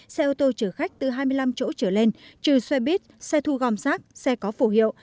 xe ô tô trở khách từ hai mươi năm chỗ trở lên trừ xe buýt xe thu gom xác xe có phù hiệu